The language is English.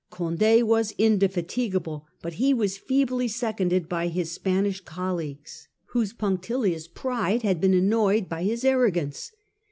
Condd was indefatigable, but he was feebly seconded by his Spanish colleagues whose punctilious pride had been annoyed by his arrogance.